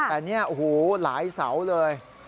แต่นี่หู้วหลายเสาเลย